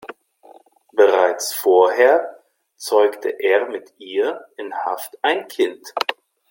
Bereits vorher zeugte er mit ihr in Haft ein Kind.